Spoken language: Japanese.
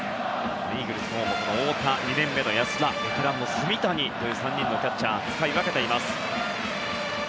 イーグルスのほうも太田、２年目の安田ベテランの炭谷という３人のキャッチャーを使い分けています。